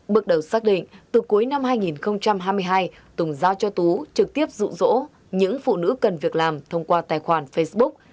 bước đầu xác định từ cuối năm hai nghìn hai mươi hai tùng giao cho tú trực tiếp dụ dỗ những phụ nữ cần việc làm thông qua tài khoản facebook